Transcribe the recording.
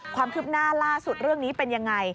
ความคืบหน้าล่าสุดเรื่องนี้เป็นยังไง